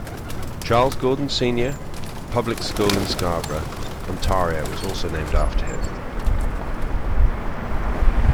Charles Gordon Senior Public School in Scarborough, Ontario was also named after him.